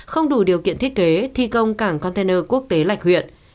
không đủ điều kiện thiết kế thi công cảng container quốc tế lạch huyện